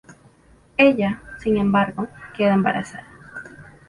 Ella, sin embargo, queda embarazada.